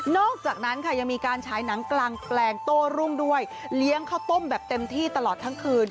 อกจากนั้นค่ะยังมีการฉายหนังกลางแปลงโต้รุ่งด้วยเลี้ยงข้าวต้มแบบเต็มที่ตลอดทั้งคืน